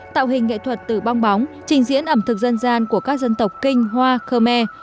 tạo hình nghệ thuật từ bong bóng trình diễn ẩm thực dân gian của các dân tộc kinh hoa khơ me